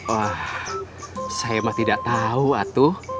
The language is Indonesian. wah saya mah tidak tahu atu